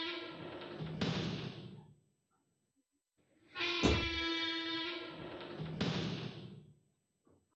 زه د ښایست وروستني حد ته ورسیدم